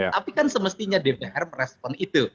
tapi kan semestinya dpr merespon itu